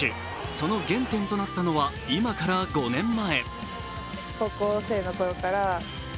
その原点となったのは今から５年前。